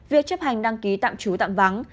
việc chấp hành đăng ký tạm trú tạm vắng